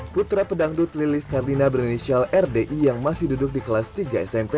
putra pedangdut lili skardina bernisial rdi yang masih duduk di kelas tiga smp